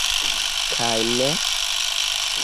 Kaj ne!